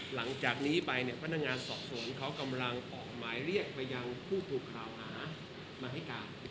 หลังจากนี้ไปเนี่ยพนักงานสอบสวนเขากำลังออกหมายเรียกไปยังผู้ถูกกล่าวหามาให้การ